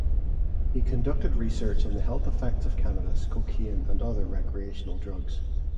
He conducted research on the health effects of cannabis, cocaine and other recreational drugs.